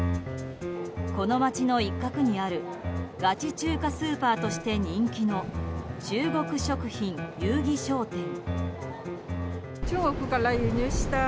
この街の一角にあるガチ中華スーパーとして人気の、中国食品友誼商店。